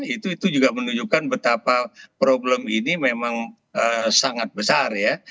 itu juga menunjukkan betapa problem ini memang sangat besar ya